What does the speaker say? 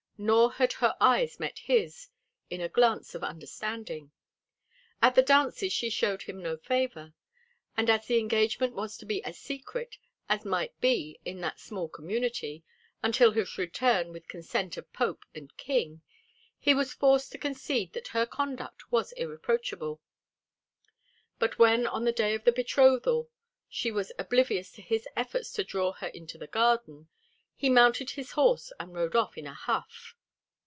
Nor had her eyes met his in a glance of understanding. At the dances she showed him no favor; and as the engagement was to be as secret as might be in that small community, until his return with consent of Pope and King, he was forced to concede that her conduct was irreproachable; but when on the day of the betrothal she was oblivious to his efforts to draw her into the garden, he mounted his horse and rode off in a huff.